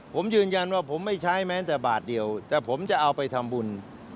ผมยืนยันว่าผมไม่ใช้แม้แต่บาทเดียวแต่ผมจะเอาไปทำบุญ